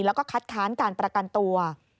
แล้วก็คัดค้านการประกันตัว